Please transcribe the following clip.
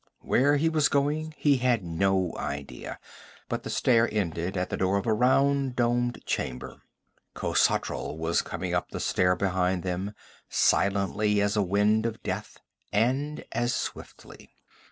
Where he was going he had no idea, but the stair ended at the door of a round, domed chamber. Khosatral was coming up the stair behind them, silently as a wind of death, and as swiftly.